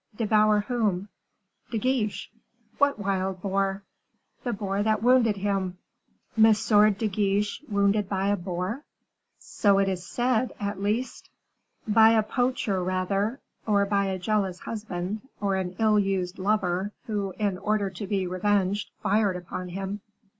"Devour whom?" "De Guiche." "What wild boar?" "The boar that wounded him." "M. de Guiche wounded by a boar?" "So it is said, at least." "By a poacher, rather, or by a jealous husband, or an ill used lover, who, in order to be revenged, fired upon him."